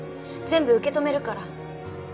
全部受け止めるから。